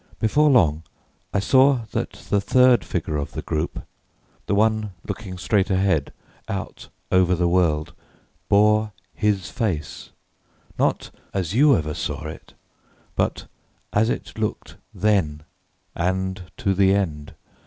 Before long, I saw that the third figure of the group the one looking straight ahead, out over the world bore his face; not as you ever saw it, but as it looked then and to the end.